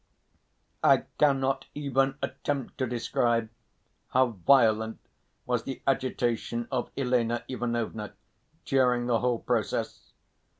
I cannot even attempt to describe how violent was the agitation of Elena Ivanovna during the whole process.